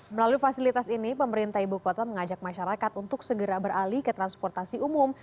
melalui fasilitas ini pemerintah ibu kota mengajak masyarakat untuk segera beralih ke transportasi umum